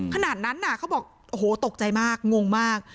ขนาดนั้นเขาบอกโอ้โหตกใจมากงงมาก